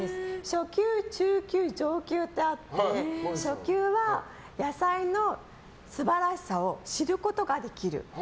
初級、中級、上級ってあって初級は、野菜の素晴らしさを知ることができる。